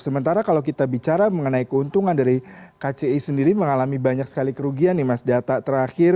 sementara kalau kita bicara mengenai keuntungan dari kci sendiri mengalami banyak sekali kerugian nih mas data terakhir